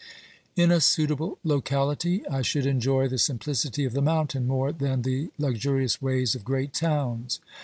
In a suitable locality I should enjoy the simplicity of the mountain more than the luxurious ways of great towns.